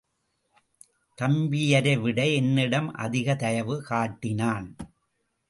தம்பியரைவிட என்னிடம் அதிக தயவு காட்டினான்.